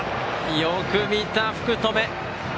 よく見た、福留！